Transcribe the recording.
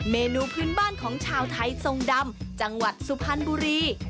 เมนูพื้นบ้านของชาวไทยทรงดำจังหวัดสุพรรณบุรี